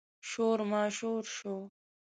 شور ماشور شو.